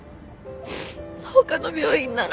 他の病院なら。